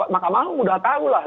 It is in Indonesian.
maka mau udah tahu lah